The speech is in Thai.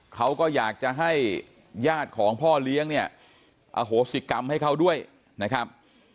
เขาก็อยากจะให้ญาติของพ่อเลี้ยงเนี่ยอโหสิกรรมให้เขาด้วยนะครับ